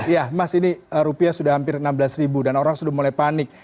ya mas ini rupiah sudah hampir enam belas ribu dan orang sudah mulai panik